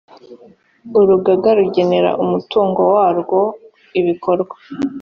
urugaga rugenera umutungo warwo ibikorwa